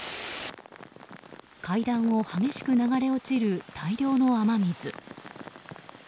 階段を激しく流れ落ちる大量の雨水。